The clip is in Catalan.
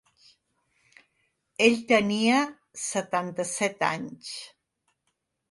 Ell tenia setanta-set anys.